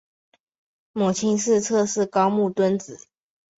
母亲是侧室高木敦子。